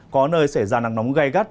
có nơi xảy ra nắng nóng gai gắt